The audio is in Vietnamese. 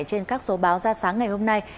trên các số báo ra sáng ngày hôm nay